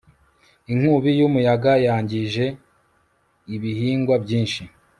Inkubi yumuyaga yangije ibihingwa byinshi